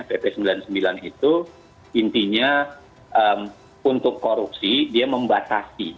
pp sembilan puluh sembilan itu intinya untuk korupsi dia membatasi